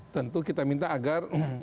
tentu kita minta agar